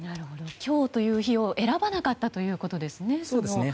今日という日を選ばなかったということですね。